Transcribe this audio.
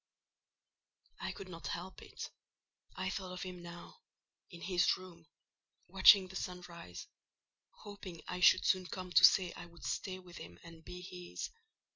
I could not help it. I thought of him now—in his room—watching the sunrise; hoping I should soon come to say I would stay with him and be his.